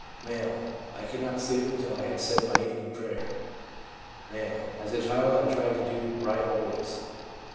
M. ' I could not sleep until I had said my evening prayer.' M. 'As a child I tried to do right always.'